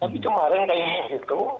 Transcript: tapi kemarin kayaknya itu